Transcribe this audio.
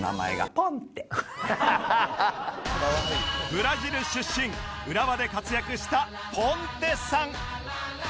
ブラジル出身浦和で活躍したポンテさん